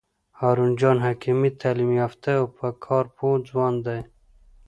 هارون جان حکیمي تعلیم یافته او په کار پوه ځوان دی.